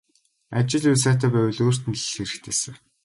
Ажил үйл сайтай байвал өөрт нь л хэрэгтэйсэн.